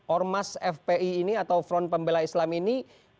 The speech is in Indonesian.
ormas fpi ini atau front pembela islam ini